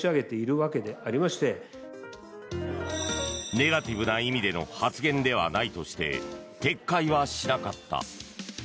ネガティブな意味での発言ではないとして撤回はしなかった。